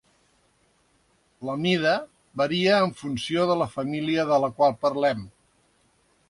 La mida varia en funció de la família de la qual parlem.